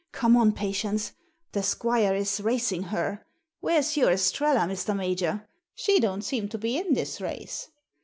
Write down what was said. Come on. Patience; The Squire is racing her! Where's your Estrella, Mr. Major? She don't seem to be in this race.